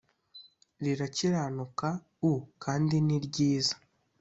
rirakiranuka u kandi ni ryiza